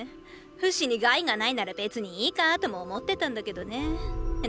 フシに害がないなら別にいいかァとも思ってたんだけどねェ。